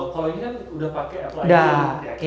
kalo ini kan udah pake apple id